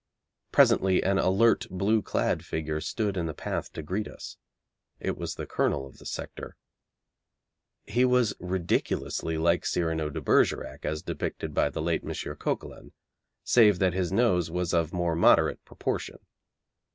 Presently an alert, blue clad figure stood in the path to greet us. It was the Colonel of the sector. He was ridiculously like Cyrano de Bergerac as depicted by the late M. Coquelin, save that his nose was of more moderate proportion.